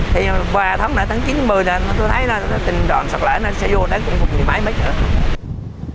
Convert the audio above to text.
thì vào tháng chín một mươi tôi thấy đoạn sạt lở sẽ vô đến khu vực mấy mét nữa